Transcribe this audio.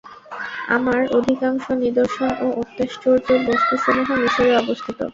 আমার অধিকাংশ নিদর্শন ও অত্যাশ্চর্য বস্তুসমূহ মিসরে অবস্থিত।